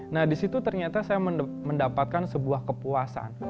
nah di situ ternyata saya mendapatkan sebuah kepuasan